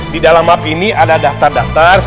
di dalam map ini ada daftar daftar